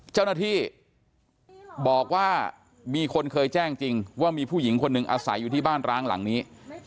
เจ้าหน้าที่บอกว่ามีคนเคยแจ้งจริงว่ามีผู้หญิงคนหนึ่งอาศัยอยู่ที่บ้านร้างหลังนี้